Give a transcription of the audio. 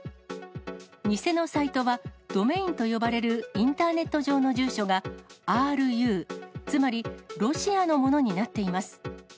偽のサイトは、ドメインと呼ばれるインターネット上の住所が．ｒｕ、つまりロシアのものになっています。